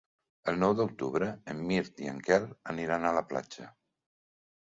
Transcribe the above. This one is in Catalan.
El nou d'octubre en Mirt i en Quel aniran a la platja.